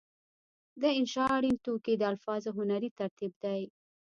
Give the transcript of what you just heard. د انشأ اړین توکي د الفاظو هنري ترتیب دی.